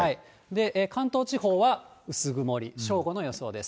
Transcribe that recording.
関東地方は薄曇り、正午の予想です。